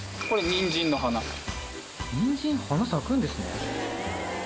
にんじん花咲くんですね。